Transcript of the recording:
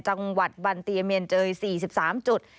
จังหวัดบันเตียเมียนเจย๔๓จุด